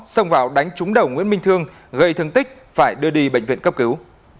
xông vào đánh trúng đầu nguyễn minh thương gây thương tích phải đưa đi bệnh viện cấp cứu